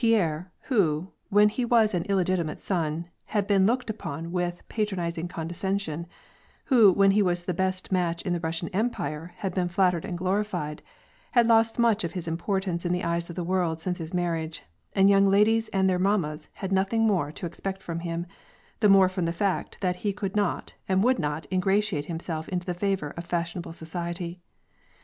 Pierre, who, when he was an illegitimate son, had been looked upon with patroniz ing condescension', who when he was the best match in the Russian empire had been flattered and glorified, had lost much of his importance in the eyes of the world since his marriage, and young ladies and their mammas had nothing more to ex> pect from him, the more from the fact that he could not and would not ingratiate himself into the favor of fashionable soci ety.